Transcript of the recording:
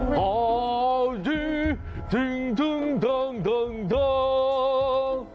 ทาดิทิ้งต้งท้องท้องท้อง